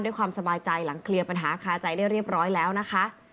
ด้วยความสบายใจหลังเคลียร์ปัญหาคาใจได้เรียบร้อยแล้วนะคะ